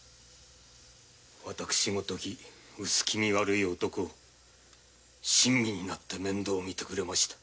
私ごとき薄気味悪い男を親身になって面倒をみてくれました。